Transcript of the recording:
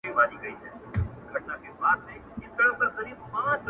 o په زلفو کې اوږدې؛ اوږدې کوڅې د فريادي وې؛